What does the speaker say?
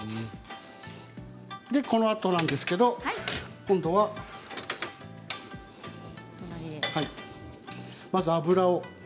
このあとなんですけれど今度はまず油を。